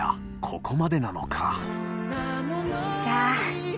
ここまでなのか磴垢襪